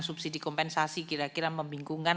subsidi kompensasi kira kira membingkungkan